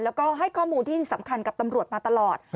แล้วก็ให้ข้อมูลที่สำคัญกับตำรวจมาตลอด